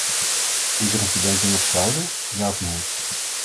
Is er een verdenking op fraude, ja of nee?